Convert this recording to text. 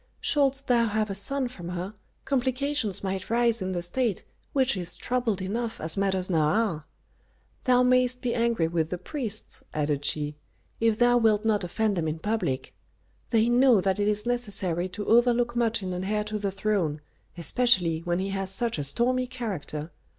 "Shouldst thou have a son from her, complications might rise in the State, which is troubled enough as matters now are. Thou mayst be angry with the priests," added she, "if thou wilt not offend them in public. They know that it is necessary to overlook much in an heir to the throne, especially when he has such a stormy character.